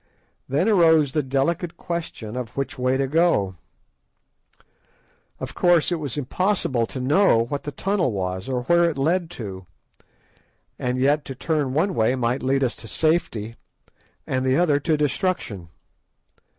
Then arose the delicate question of which way to go. Of course, it was impossible to know what the tunnel was, or where it led to, and yet to turn one way might lead us to safety, and the other to destruction.